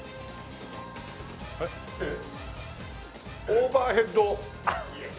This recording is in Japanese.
オーバーヘッドハンド。